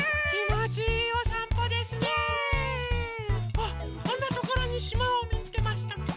あっあんなところにしまをみつけました。